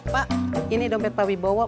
pak ini dompet pak wibowo